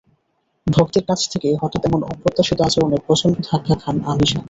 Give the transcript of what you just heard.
ভক্তের কাছ থেকে হঠাত্ এমন অপ্রত্যাশিত আচরণে প্রচণ্ড ধাক্কা খান আমিশা।